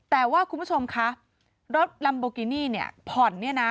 แต่ว่าคุณผู้ชมค่ะรถลัมโบกินี่พ่อน